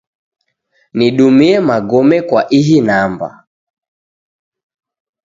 Nidumie magome kwa ihi namba.